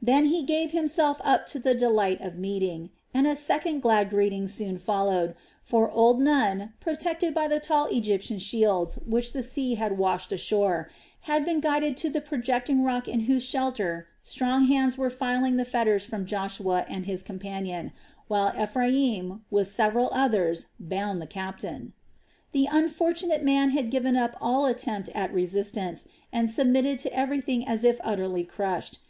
Then he gave himself up to the delight of meeting, and a second glad greeting soon followed; for old Nun, protected by the tall Egyptian shields which the sea had washed ashore, had been guided to the projecting rock in whose shelter strong hands were filing the fetters from Joshua and his companion, while Ephraim, with several others, bound the captain. The unfortunate man had given up all attempt at resistance and submitted to everything as if utterly crushed.